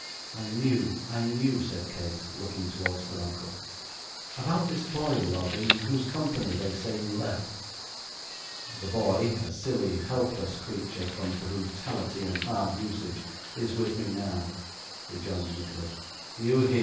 'I knew, I knew,' said Kate, looking towards her uncle. 'About this boy, love, in whose company they say you left?' 'The boy, a silly, helpless creature, from brutality and hard usage, is with me now,' rejoined Nicholas. 'You hear?